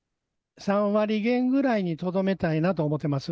３割減ぐらいにとどめたいなと思ってます。